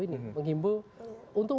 ini menghimbau untuk